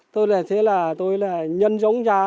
tôi là thế là tôi là nhân giống gia